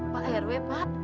pak rw pak